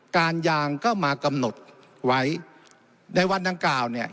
การยางก็มากำหนดไว้ในวันดังกล่าวเนี่ย